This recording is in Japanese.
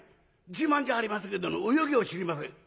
自慢じゃありませんけど泳ぎを知りません。